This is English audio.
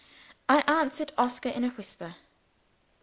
I answered Oscar in a whisper.